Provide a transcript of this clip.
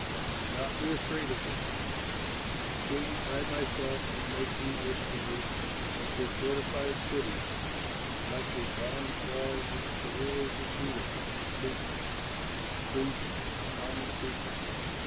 Do not be afraid of them, for see, I myself will make you this day like a fortified city, and like a bronze wall against the rulers of Judah, its leaders, its priests, and the common people.